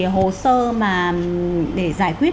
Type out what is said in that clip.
hồ sơ để giải quyết